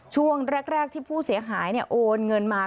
ช่วงแรกที่ผู้เสียหายโอนเงินมา